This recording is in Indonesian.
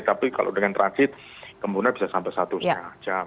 tapi kalau dengan transit kemudian bisa sampai satu lima jam